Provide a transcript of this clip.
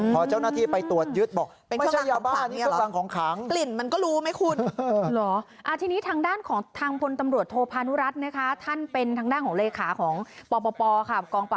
พอเจ้านาธิไปตรวจยึดบอก